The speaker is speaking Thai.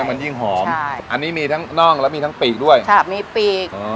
มันยิ่งหอมใช่อันนี้มีทั้งน่องแล้วมีทั้งปีกด้วยค่ะมีปีกอ๋อ